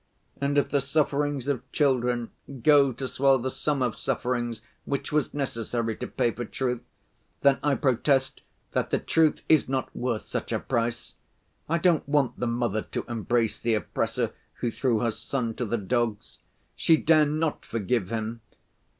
And if the sufferings of children go to swell the sum of sufferings which was necessary to pay for truth, then I protest that the truth is not worth such a price. I don't want the mother to embrace the oppressor who threw her son to the dogs! She dare not forgive him!